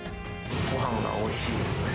ごはんがおいしいですね。